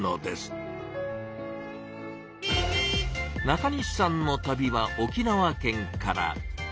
中西さんの旅は沖縄県から。